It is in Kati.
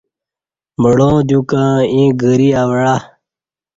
مڑاں دیوکں ییں گری او عہ